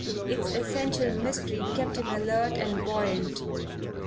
Its essential mystery kept him alert and buoyant.